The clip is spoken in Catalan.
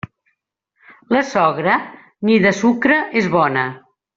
La sogra, ni de sucre és bona.